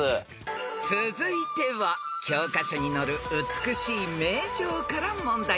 ［続いては教科書に載る美しい名城から問題］